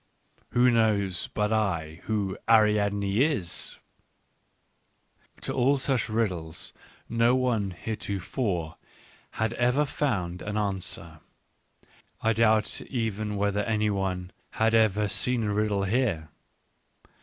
... Who knows, but I, who Ariadne is ! To all such riddles no one heretofore had ever found an answer ; I doubt even whether any one had ever seen a riddle here.